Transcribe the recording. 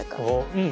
うん。